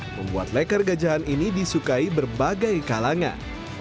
membuat leker gajahan ini disukai berbagai kalangan